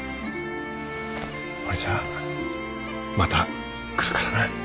ほれじゃあまた来るからな。